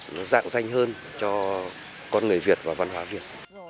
nó dạng danh hơn cho con người việt